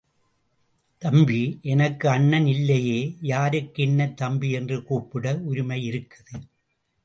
தம்பி! எனக்கு அண்ணன் இல்லையே, யாருக்கு என்னைத் தம்பி என்று கூப்பிட உரிமையிருக்குது.